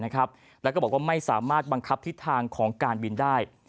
แล้วก็บอกว่าไม่สามารถบังคับทิศทางของการบินได้